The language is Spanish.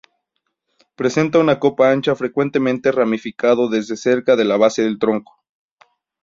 Presenta una copa ancha frecuentemente ramificado desde cerca de la base de tronco.